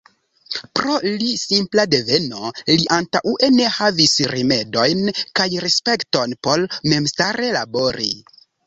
Pro li simpla deveno li antaŭe ne havis rimedojn kaj respekton por memstare labori.